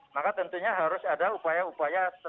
maka tentunya harus ada upaya upaya